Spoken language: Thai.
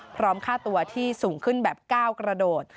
พร้อมค่าตัวที่สูงขึ้นแบบ๙กระโดด